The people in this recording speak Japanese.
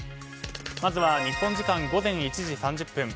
まずは日本時間午前１時３０分。